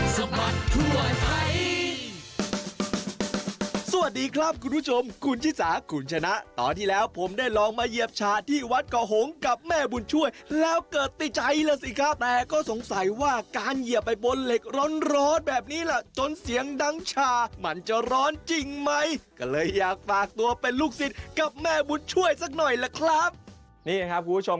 สวัสดีครับคุณผู้ชมคุณชิสาคุณชนะตอนที่แล้วผมได้ลองมาเหยียบชาที่วัดก่อหงกับแม่บุญช่วยแล้วเกิดติดใจแล้วสิครับแต่ก็สงสัยว่าการเหยียบไปบนเหล็กร้อนร้อนแบบนี้ล่ะจนเสียงดังชามันจะร้อนจริงไหมก็เลยอยากฝากตัวเป็นลูกศิษย์กับแม่บุญช่วยสักหน่อยล่ะครับนี่ครับคุณผู้ชม